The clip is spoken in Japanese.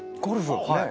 はい。